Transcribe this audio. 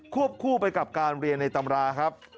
วบคู่ไปกับการเรียนในตำราครับ